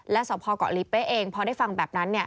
และสพเกาะลิเป๊ะเองพอได้ฟังแบบนั้น